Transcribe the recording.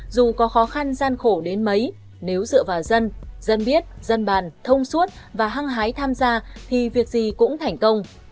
dù có khó khăn gian khổ đến mấy nếu dựa vào dân dân biết dân bàn thông suốt và hăng hái tham gia thì việc gì cũng thành công